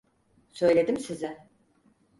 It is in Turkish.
Söyledim size.